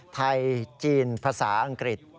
ไทยจีนภาษาอังกฤษ